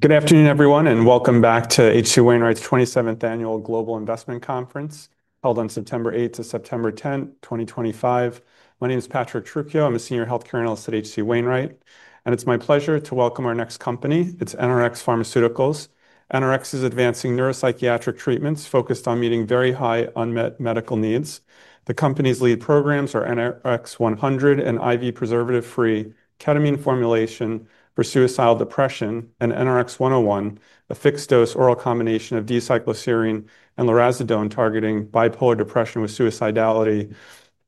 Good afternoon, everyone, and welcome back to H.C. Wainwright & Co.'s 27th Annual Global Investment Conference held on September 8th to September 10th, 2025. My name is Patrick Ralph Trucchio. I'm a Senior Healthcare Analyst at H.C. Wainwright & Co., and it's my pleasure to welcome our next company. It's NRx Pharmaceuticals. NRx is advancing neuropsychiatric treatments focused on meeting very high unmet medical needs. The company's lead programs are NRX-100, an IV preservative-free ketamine formulation for suicidal depression, and NRX-101, a fixed-dose oral combination of d-cycloserine and lurasidone targeting bipolar depression with suicidality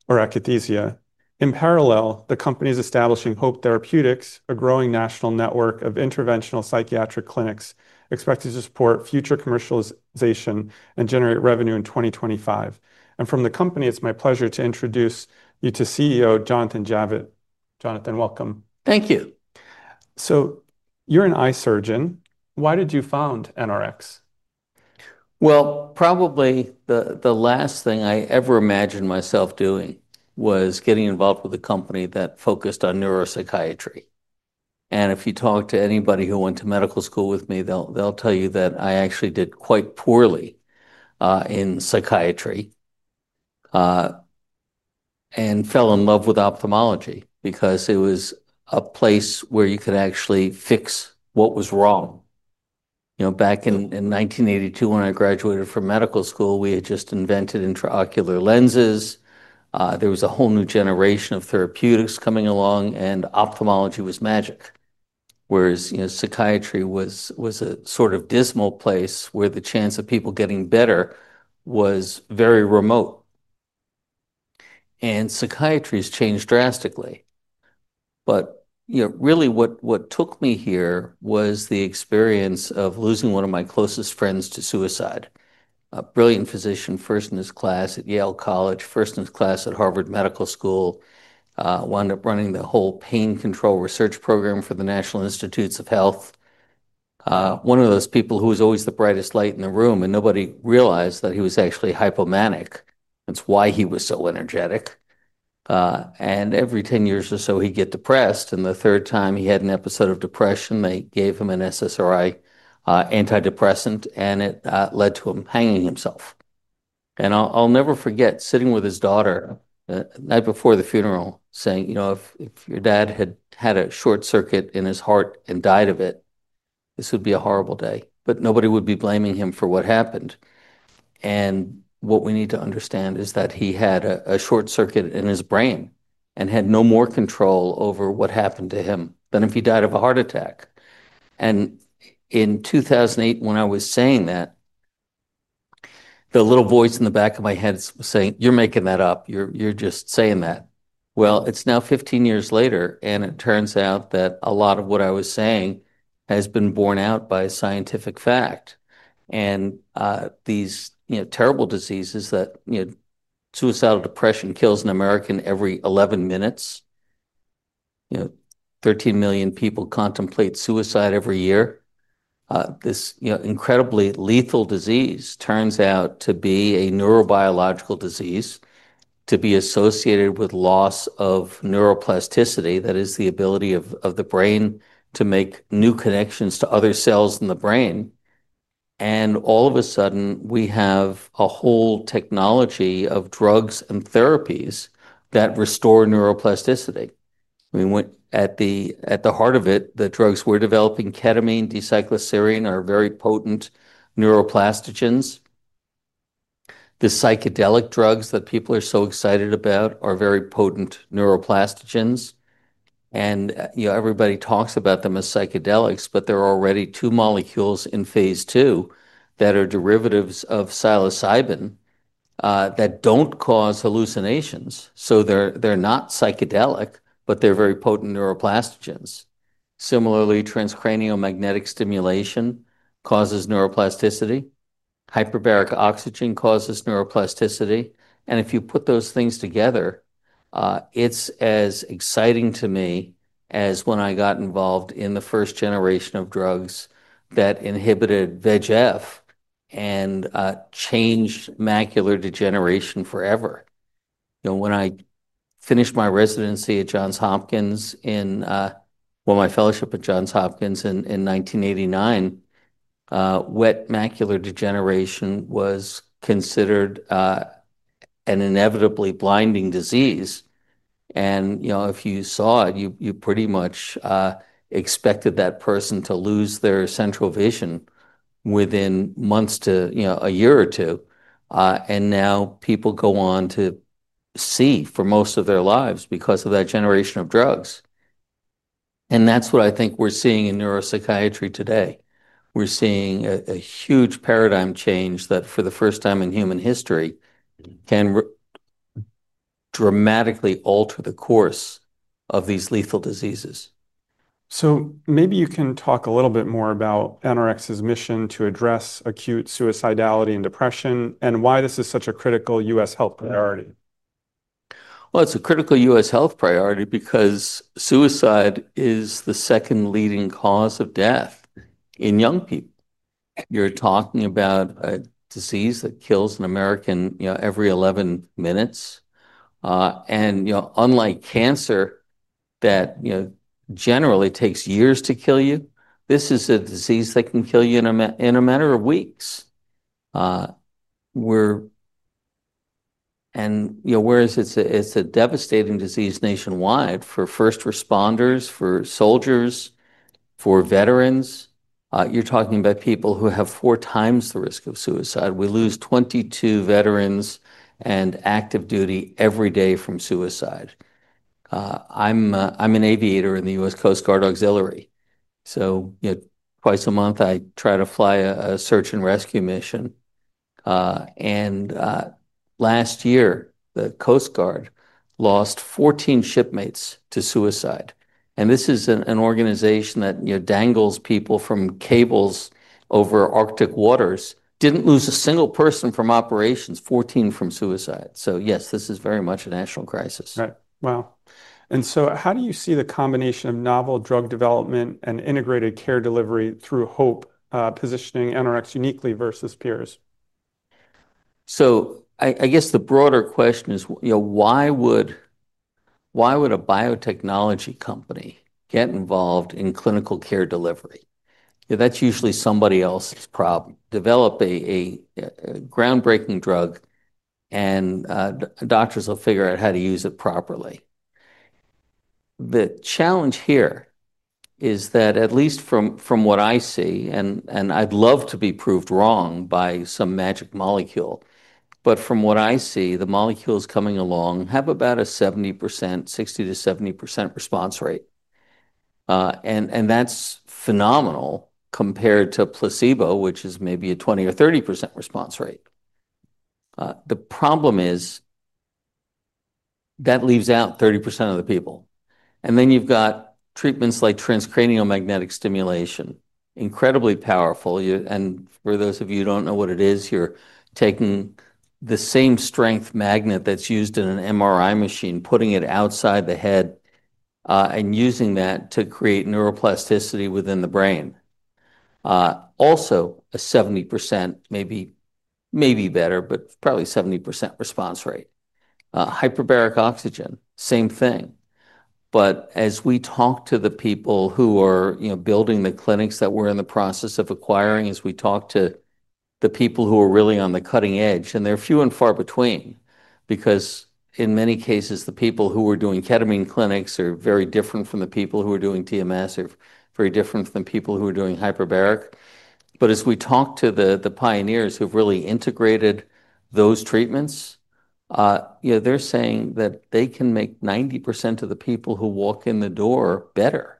or akathisia. In parallel, the company is establishing Hope Therapeutics, a growing national network of interventional psychiatric clinics expected to support future commercialization and generate revenue in 2025. It's my pleasure to introduce you to CEO Dr. Jonathan C. Javitt. Jonathan, welcome. Thank you. You're an eye surgeon. Why did you found NRx? Probably the last thing I ever imagined myself doing was getting involved with a company that focused on neuropsychiatry. If you talk to anybody who went to medical school with me, they'll tell you that I actually did quite poorly in psychiatry and fell in love with ophthalmology because it was a place where you could actually fix what was wrong. Back in 1982, when I graduated from medical school, we had just invented intraocular lenses. There was a whole new generation of therapeutics coming along, and ophthalmology was magic. Psychiatry was a sort of dismal place where the chance of people getting better was very remote. Psychiatry has changed drastically. Really what took me here was the experience of losing one of my closest friends to suicide. A brilliant physician, first in his class at Yale College, first in his class at Harvard Medical School, wound up running the whole pain control research program for the National Institutes of Health. One of those people who was always the brightest light in the room, and nobody realized that he was actually hypomanic. That's why he was so energetic. Every 10 years or so, he'd get depressed. The third time he had an episode of depression, they gave him an SSRI antidepressant, and it led to him hanging himself. I'll never forget sitting with his daughter the night before the funeral saying, you know, if your dad had had a short circuit in his heart and died of it, this would be a horrible day, but nobody would be blaming him for what happened. What we need to understand is that he had a short circuit in his brain and had no more control over what happened to him than if he died of a heart attack. In 2008, when I was saying that, the little voice in the back of my head was saying, you're making that up. You're just saying that. It's now 15 years later, and it turns out that a lot of what I was saying has been borne out by scientific fact. These terrible diseases, suicidal depression kills an American every 11 minutes. Thirteen million people contemplate suicide every year. This incredibly lethal disease turns out to be a neurobiological disease, to be associated with loss of neuroplasticity, that is the ability of the brain to make new connections to other cells in the brain. All of a sudden, we have a whole technology of drugs and therapies that restore neuroplasticity. At the heart of it, the drugs we're developing, ketamine, d-cycloserine, are very potent neuroplastogens. The psychedelic drugs that people are so excited about are very potent neuroplastogens. Everybody talks about them as psychedelics, but there are already two molecules in phase two that are derivatives of psilocybin that don't cause hallucinations. They're not psychedelic, but they're very potent neuroplastogens. Similarly, transcranial magnetic stimulation causes neuroplasticity. Hyperbaric oxygen causes neuroplasticity. If you put those things together, it's as exciting to me as when I got involved in the first generation of drugs that inhibited VEGF and changed macular degeneration forever. When I finished my fellowship at Johns Hopkins in 1989, wet macular degeneration was considered an inevitably blinding disease. If you saw it, you pretty much expected that person to lose their central vision within months to a year or two. Now people go on to see for most of their lives because of that generation of drugs. That's what I think we're seeing in neuropsychiatry today. We're seeing a huge paradigm change that, for the first time in human history, can dramatically alter the course of these lethal diseases. Maybe you can talk a little bit more about NRx Pharmaceuticals' mission to address acute suicidality and depression and why this is such a critical U.S. health priority. It's a critical U.S. health priority because suicide is the second leading cause of death in young people. You're talking about a disease that kills an American every 11 minutes. Unlike cancer that generally takes years to kill you, this is a disease that can kill you in a matter of weeks. Whereas it's a devastating disease nationwide for first responders, for soldiers, for veterans, you're talking about people who have four times the risk of suicide. We lose 22 veterans and active duty every day from suicide. I'm an aviator in the U.S. Coast Guard Auxiliary. Twice a month, I try to fly a search and rescue mission. Last year, the Coast Guard lost 14 shipmates to suicide. This is an organization that dangles people from cables over Arctic waters. Didn't lose a single person from operations, 14 from suicide. Yes, this is very much a national crisis. How do you see the combination of novel drug development and integrated care delivery through Hope positioning NRx uniquely versus peers? I guess the broader question is, you know, why would a biotechnology company get involved in clinical care delivery? That's usually somebody else's problem. Develop a groundbreaking drug and doctors will figure out how to use it properly. The challenge here is that, at least from what I see, and I'd love to be proved wrong by some magic molecule, but from what I see, the molecules coming along have about a 70%, 60 to 70% response rate. That's phenomenal compared to placebo, which is maybe a 20 or 30% response rate. The problem is that leaves out 30% of the people. You've got treatments like transcranial magnetic stimulation, incredibly powerful. For those of you who don't know what it is, you're taking the same strength magnet that's used in an MRI machine, putting it outside the head, and using that to create neuroplasticity within the brain. Also, a 70%, maybe better, but probably 70% response rate. Hyperbaric oxygen, same thing. As we talk to the people who are, you know, building the clinics that we're in the process of acquiring, as we talk to the people who are really on the cutting edge, and they're few and far between, because in many cases, the people who are doing ketamine clinics are very different from the people who are doing TMS, are very different from the people who are doing hyperbaric. As we talk to the pioneers who have really integrated those treatments, you know, they're saying that they can make 90% of the people who walk in the door better.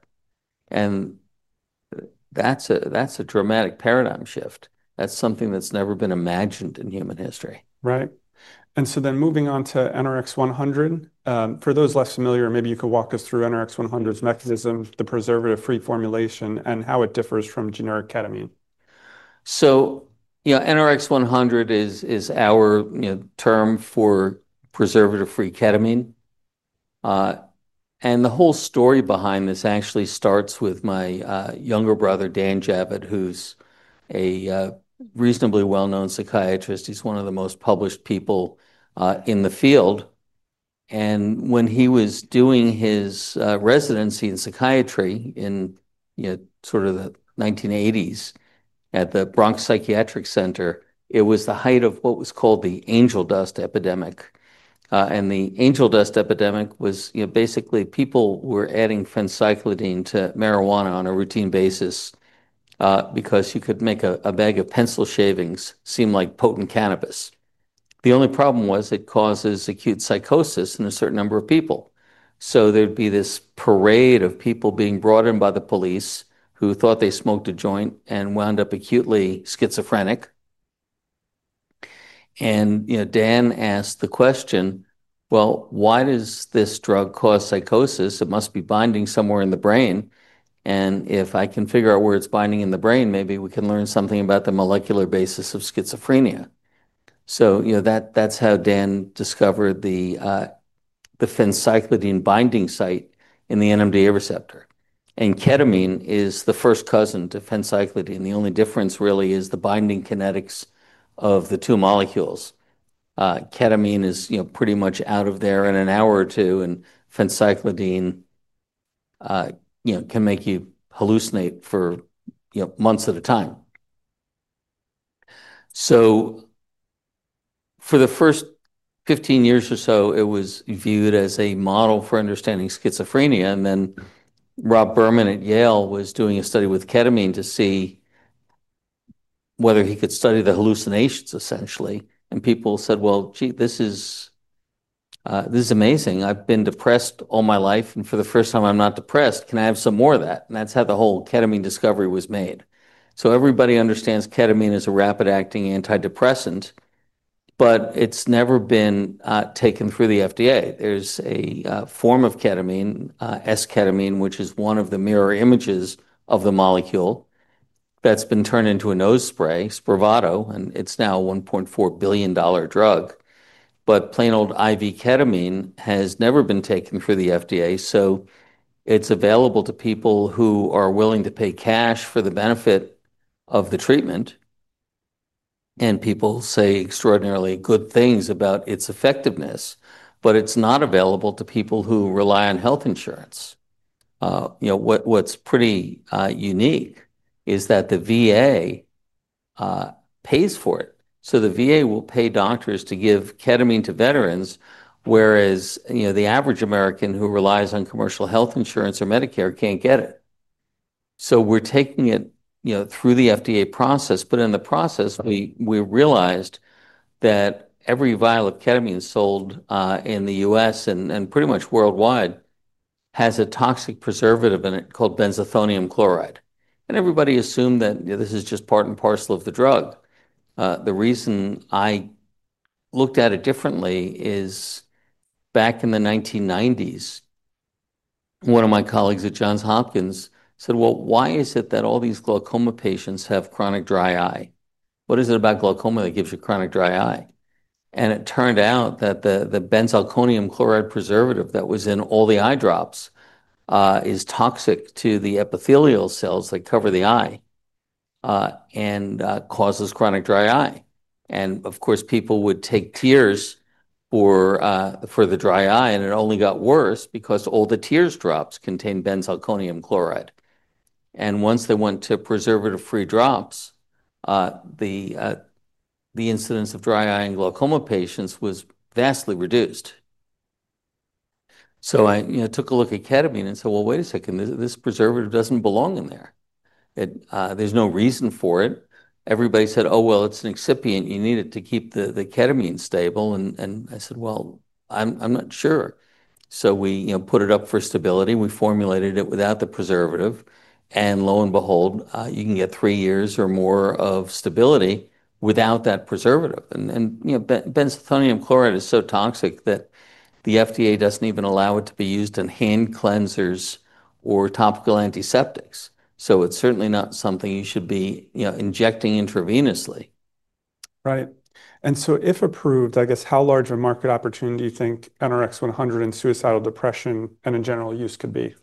That's a dramatic paradigm shift. That's something that's never been imagined in human history. Right. Moving on to NRX-100, for those less familiar, maybe you could walk us through NRX-100's mechanism, the preservative-free formulation, and how it differs from generic ketamine. NRX-100 is our term for preservative-free ketamine. The whole story behind this actually starts with my younger brother, Dan Javitt, who's a reasonably well-known psychiatrist. He's one of the most published people in the field. When he was doing his residency in psychiatry in the 1980s at the Bronx Psychiatric Center, it was the height of what was called the angel dust epidemic. The angel dust epidemic was basically people were adding phencyclidine to marijuana on a routine basis because you could make a bag of pencil shavings seem like potent cannabis. The only problem was it causes acute psychosis in a certain number of people. There would be this parade of people being brought in by the police who thought they smoked a joint and wound up acutely schizophrenic. Dan asked the question, why does this drug cause psychosis? It must be binding somewhere in the brain. If I can figure out where it's binding in the brain, maybe we can learn something about the molecular basis of schizophrenia. That's how Dan discovered the phencyclidine binding site in the NMDA receptor. Ketamine is the first cousin to phencyclidine. The only difference really is the binding kinetics of the two molecules. Ketamine is pretty much out of there in an hour or two, and phencyclidine can make you hallucinate for months at a time. For the first 15 years or so, it was viewed as a model for understanding schizophrenia. Rob Berman at Yale was doing a study with ketamine to see whether he could study the hallucinations, essentially. People said, this is amazing. I've been depressed all my life, and for the first time, I'm not depressed. Can I have some more of that? That's how the whole ketamine discovery was made. Everybody understands ketamine is a rapid-acting antidepressant, but it's never been taken through the FDA. There's a form of ketamine, S-ketamine, which is one of the mirror images of the molecule that's been turned into a nose spray, Spravato, and it's now a $1.4 billion drug. Plain old IV ketamine has never been taken through the FDA. It's available to people who are willing to pay cash for the benefit of the treatment. People say extraordinarily good things about its effectiveness, but it's not available to people who rely on health insurance. What's pretty unique is that the VA pays for it. The VA will pay doctors to give ketamine to veterans, whereas the average American who relies on commercial health insurance or Medicare can't get it. We are taking it through the FDA process, but in the process, we realized that every vial of ketamine sold in the U.S. and pretty much worldwide has a toxic preservative in it called benzalkonium chloride. Everybody assumed that this is just part and parcel of the drug. The reason I looked at it differently is back in the 1990s, one of my colleagues at Johns Hopkins said, why is it that all these glaucoma patients have chronic dry eye? What is it about glaucoma that gives you chronic dry eye? It turned out that the benzalkonium chloride preservative that was in all the eye drops is toxic to the epithelial cells that cover the eye and causes chronic dry eye. People would take tears for the dry eye, and it only got worse because all the tear drops contained benzalkonium chloride. Once they went to preservative-free drops, the incidence of dry eye in glaucoma patients was vastly reduced. I took a look at ketamine and said, wait a second, this preservative doesn't belong in there. There's no reason for it. Everybody said, oh, it's an excipient. You need it to keep the ketamine stable. I said, I'm not sure. We put it up for stability. We formulated it without the preservative, and lo and behold, you can get three years or more of stability without that preservative. Benzalkonium chloride is so toxic that the FDA doesn't even allow it to be used in hand cleansers or topical antiseptics. It is certainly not something you should be injecting intravenously. Right. If approved, I guess how large of a market opportunity do you think NRX-100 and suicidal depression and in general use could be?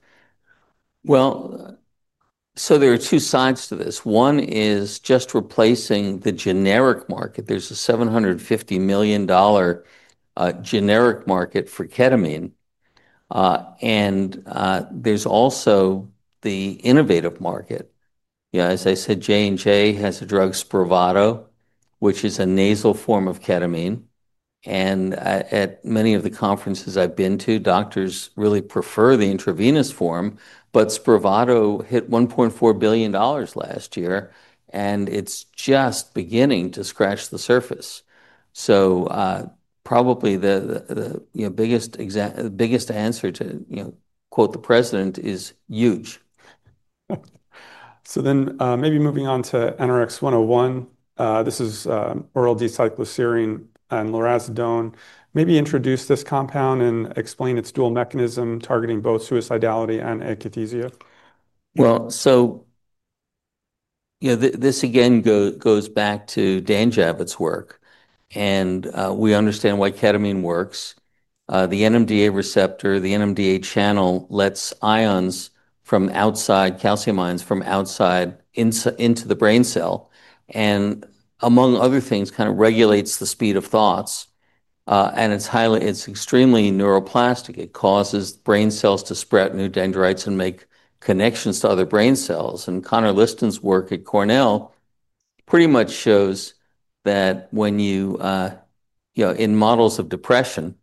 There are two sides to this. One is just replacing the generic market. There's a $750 million generic market for ketamine. There's also the innovative market. You know, as I said, J&J has a drug, Spravato, which is a nasal form of ketamine. At many of the conferences I've been to, doctors really prefer the intravenous form, but Spravato hit $1.4 billion last year, and it's just beginning to scratch the surface. Probably the biggest answer, to quote the president, is huge. Moving on to NRX-101, this is oral d-cycloserine and lurasidone. Maybe introduce this compound and explain its dual mechanism targeting both suicidality and akathisia. This again goes back to Dan Javitt's work. We understand why ketamine works. The NMDA receptor, the NMDA channel, lets ions from outside, calcium ions from outside, into the brain cell. Among other things, it kind of regulates the speed of thoughts. It's extremely neuroplastic. It causes brain cells to spread new dendrites and make connections to other brain cells. Conor Liston's work at Cornell pretty much shows that when you're in models of depression,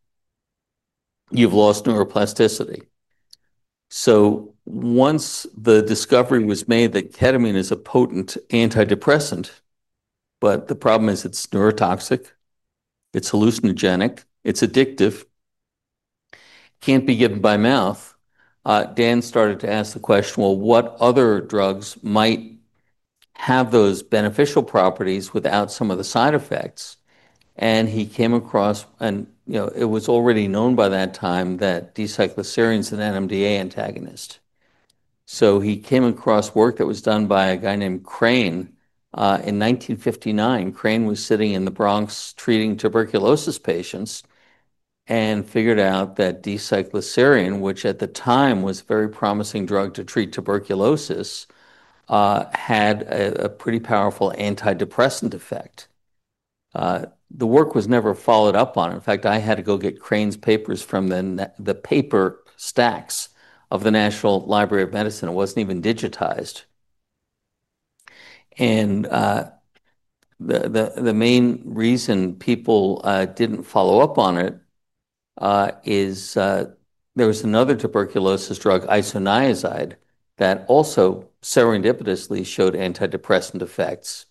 you've lost neuroplasticity. Once the discovery was made that ketamine is a potent antidepressant, the problem is it's neurotoxic, it's hallucinogenic, it's addictive, can't be given by mouth. Dan started to ask the question, what other drugs might have those beneficial properties without some of the side effects? He came across, and it was already known by that time that d-cycloserine is an NMDA antagonist. He came across work that was done by a guy named Crane in 1959. Crane was sitting in the Bronx treating tuberculosis patients and figured out that d-cycloserine, which at the time was a very promising drug to treat tuberculosis, had a pretty powerful antidepressant effect. The work was never followed up on. In fact, I had to go get Crane's papers from the paper stacks of the National Library of Medicine. It wasn't even digitized. The main reason people didn't follow up on it is there was another tuberculosis drug, isoniazid, that also serendipitously showed antidepressant effects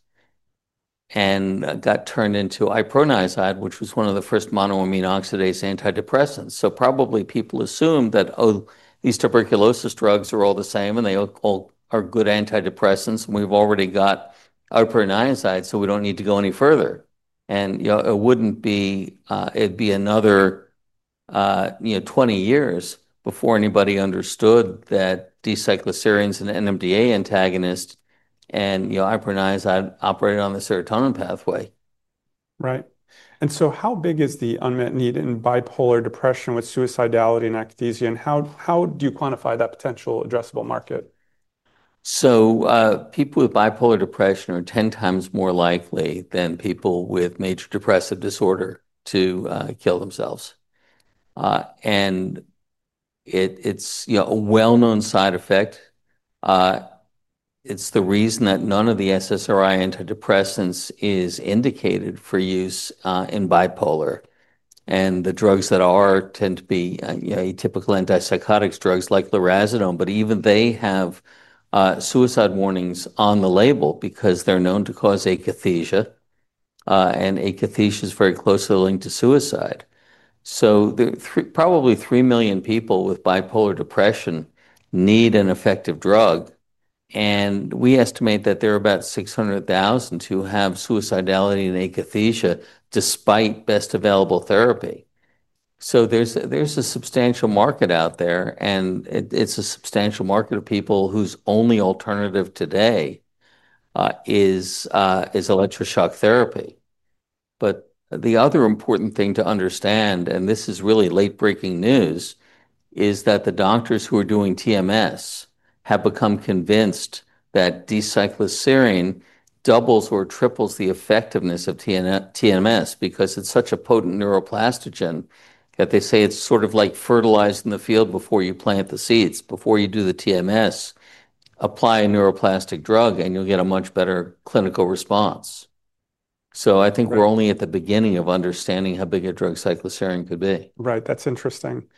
and got turned into iproniazid, which was one of the first monoamine oxidase antidepressants. Probably people assumed that these tuberculosis drugs are all the same and they all are good antidepressants, and we've already got iproniazid, so we don't need to go any further. It would be another 20 years before anybody understood that d-cycloserine is an NMDA antagonist and iproniazid operated on the serotonin pathway. Right. How big is the unmet need in bipolar depression with suicidality and akathisia, and how do you quantify that potential addressable market? People with bipolar depression are 10 times more likely than people with major depressive disorder to kill themselves. It's a well-known side effect. It's the reason that none of the SSRI antidepressants is indicated for use in bipolar. The drugs that are tend to be atypical antipsychotics, drugs like lurasidone, but even they have suicide warnings on the label because they're known to cause akathisia. Akathisia is very closely linked to suicide. Probably 3 million people with bipolar depression need an effective drug. We estimate that there are about 600,000 who have suicidality and akathisia despite best available therapy. There's a substantial market out there, and it's a substantial market of people whose only alternative today is electroshock therapy. The other important thing to understand, and this is really late-breaking news, is that the doctors who are doing TMS have become convinced that d-cycloserine doubles or triples the effectiveness of TMS because it's such a potent neuroplastogen that they say it's sort of like fertilizing the field before you plant the seeds. Before you do the TMS, apply a neuroplastic drug and you'll get a much better clinical response. I think we're only at the beginning of understanding how big a drug, d-cycloserine, could be. Right. That's interesting.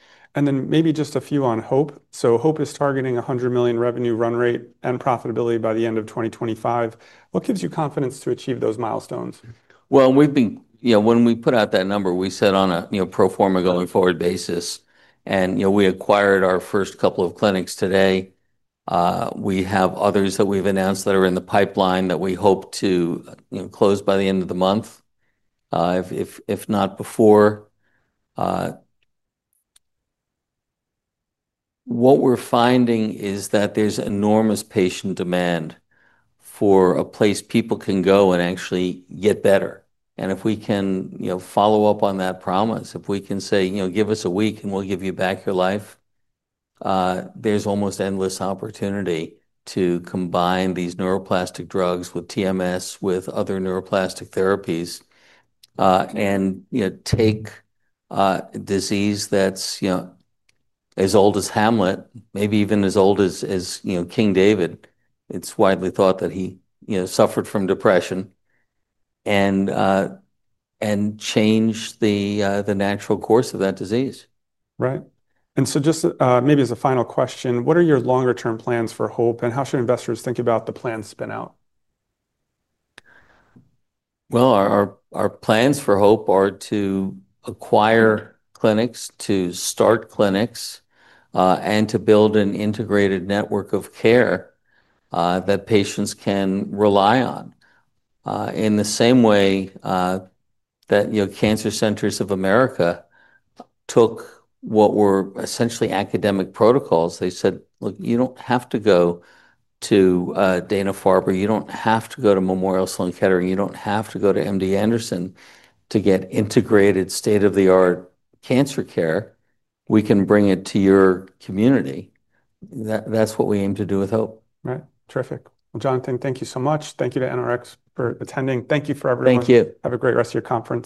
Maybe just a few on Hope. Hope is targeting a $100 million revenue run rate and profitability by the end of 2025. What gives you confidence to achieve those milestones? When we put out that number, we said on a pro forma going forward basis, and we acquired our first couple of clinics today. We have others that we've announced that are in the pipeline that we hope to close by the end of the month, if not before. What we're finding is that there's enormous patient demand for a place people can go and actually get better. If we can follow up on that promise, if we can say, you know, give us a week and we'll give you back your life, there's almost endless opportunity to combine these neuroplastic drugs with TMS, with other neuroplastic therapies, and take a disease that's as old as Hamlet, maybe even as old as King David. It's widely thought that he suffered from depression and changed the natural course of that disease. Right. Maybe as a final question, what are your longer-term plans for Hope and how should investors think about the planned spin-out? Our plans for Hope are to acquire clinics, to start clinics, and to build an integrated network of care that patients can rely on. In the same way that Cancer Centers of America took what were essentially academic protocols, they said, look, you don't have to go to Dana-Farber, you don't have to go to Memorial Sloan Kettering, you don't have to go to MD Anderson to get integrated state-of-the-art cancer care. We can bring it to your community. That's what we aim to do with Hope. Terrific. Jonathan, thank you so much. Thank you to NRx Pharmaceuticals for attending. Thank you for everyone. Thank you. Have a great rest of your conference.